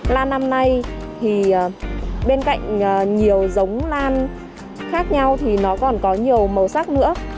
lan năm nay thì bên cạnh nhiều giống lan khác nhau thì nó còn có nhiều màu sắc nữa